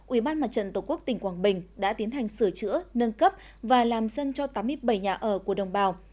ủy ban mặt trận tổ quốc tỉnh quảng bình đã tiến hành sửa chữa nâng cấp và làm sân cho tám mươi bảy nhà ở của đồng bào